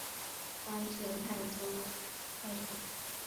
官至泰州太守。